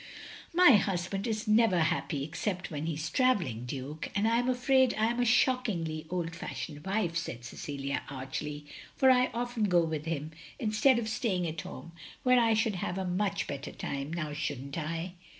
"My husband is never happy except when he's travelling, Duke. And I am afraid I am a shockingly old fashioned wife," said Cecilia, archly, "for I often go with him, instead of staying at home, where I should have a much better time; now should n't I?"